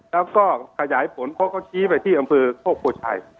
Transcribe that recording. แล้วก็ขยายผลเขาก็ชี้ไปที่อำเภอโทษผู้ชาย